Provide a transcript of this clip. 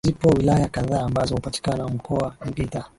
Zipo wilaya kadhaa ambazo hupatikana mkoa wa Geita